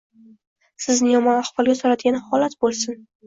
sizni yomon ahvolga soladigan holat bo’lsin